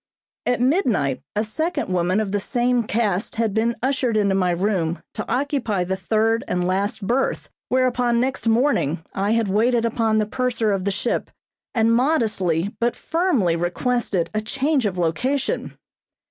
At midnight a second woman of the same caste had been ushered into my room to occupy the third and last berth, whereupon next morning I had waited upon the purser of the ship, and modestly but firmly requested a change of location.